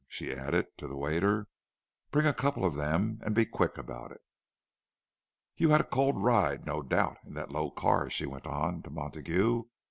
She added, to the waiter, "Bring a couple of them, and be quick about it." "You had a cold ride, no doubt, in that low car," she went on, to Montague.